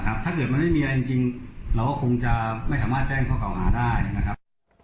คงจะไม่สามารถแจ้งพ่อเก่าหาได้นะครับ